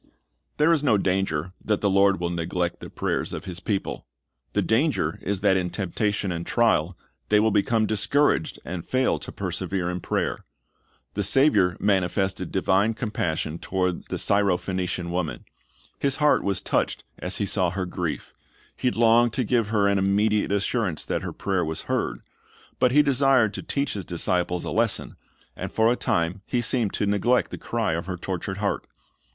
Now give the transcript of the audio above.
"^ There is no danger that the Lord will neglect the prayers of His people. The danger is that in temptation and trial they will become discouraged, and fail to persevere in prayer. The Saviour manifested divine compassion toward the Syrophenician woman. His heart was touched as He saw her grief. He longed to give her an immediate assurance that her prayer was heard; but He desired to teach His disciples a lesson, and for a time He seemed to neglect the cry of her tortured heart.